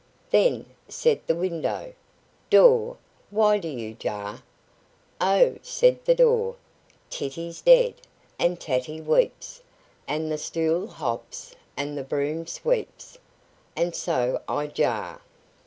"Then," said the window, "Door, why do you jar?" "Oh!" said the door, "Titty's dead, and Tatty weeps, and the stool hops, and the broom sweeps, and so I jar."